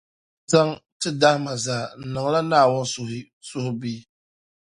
tinim’ ni zaŋ ti dahima zaa n-niŋla Naawuni suhibu.